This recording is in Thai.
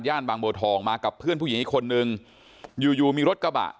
บางบัวทองมากับเพื่อนผู้หญิงอีกคนนึงอยู่อยู่มีรถกระบะ